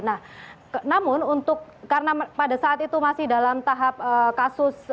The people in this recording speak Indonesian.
nah namun untuk karena pada saat itu masih dalam tahap kasus